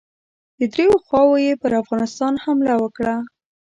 د دریو خواوو یې پر افغانستان حمله وکړه.